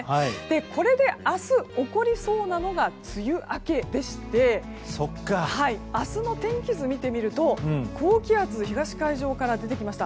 これで明日、起こりそうなのが梅雨明けでして明日の天気図を見てみると高気圧、東海上から出てきました。